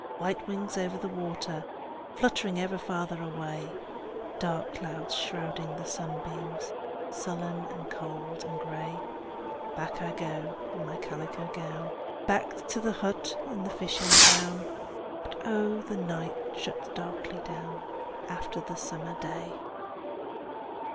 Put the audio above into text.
White wings over the water, Fluttering ever farther away; Dark clouds shrouding the sunbeams, Sullen and cold and gray. Back I go in my calico gown, Back to the hut in the fishing town. And oh, but the night shuts darkly down After the summer day!